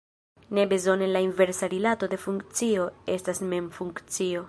Ne bezone la inversa rilato de funkcio estas mem funkcio.